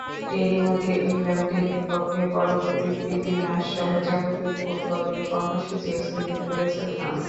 এরই মধ্যে ইংল্যান্ডের বিপক্ষে পরবর্তী প্রীতি ম্যাচসহ যাবতীয় ফুটবলীয় কর্মসূচি স্থগিত করেছে ফ্রান্স।